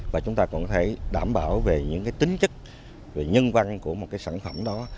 và chúng ta còn phải đảm bảo về những tính chức về nhân văn của một sản phẩm đó